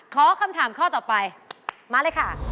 ขอคำถามข้อต่อไปมาเลยค่ะ